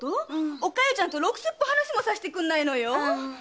お加代ちゃんとろくすっぽ話もさせてくんないのよ。